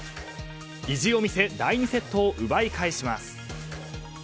意地を見せ第２セットを奪い返します。